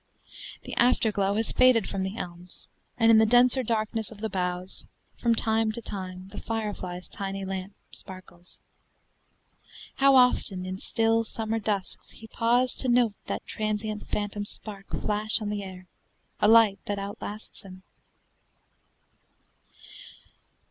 The after glow has faded from the elms, And in the denser darkness of the boughs From time to time the firefly's tiny lamp Sparkles. How often in still summer dusks He paused to note that transient phantom spark Flash on the air a light that outlasts him!